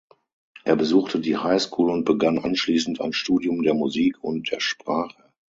Er besuchte die Highschool und begann anschließend ein Studium der Musik und der Sprache.